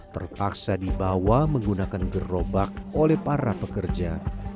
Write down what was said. terpaksa dibawa menggunakan gerobak oleh para pekerja